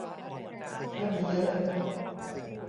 ถ้ามีเยอะ